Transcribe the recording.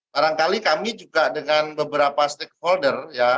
barangkali kami juga dengan beberapa stakeholder ya